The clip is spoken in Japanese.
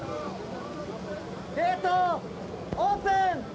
ゲートオープン！